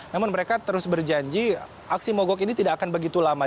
namun mereka terus berjanji aksi mogok ini tidak akan begitu lama